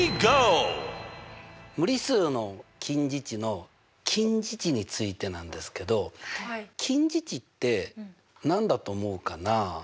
無理数の近似値の近似値についてなんですけど近似値って何だと思うかなあ？